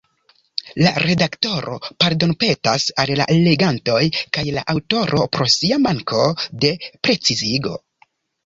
La redaktoro pardonpetas al la legantoj kaj la aŭtoro pro sia manko de precizigo.